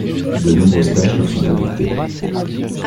De nombreuses tâches leur sont affectées.